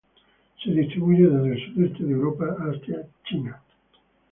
Se distribuye desde el sudeste de Europa hasta China.